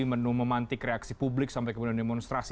menu memantik reaksi publik sampai kemudian demonstrasi